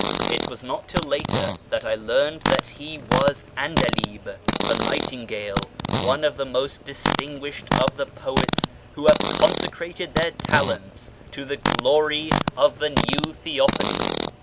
It Avas not till later that I learned that he was 'Andalib (" the ! Nightingale "), one of the most distinguished of the poets who liave consecrated their talents to the glory of the New i Theophany.